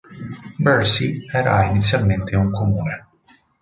Bercy era inizialmente un comune.